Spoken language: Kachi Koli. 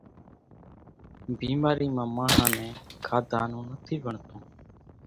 ڀيمارِي مان ماڻۿان نين کاڌا نون نٿِي وڻتون۔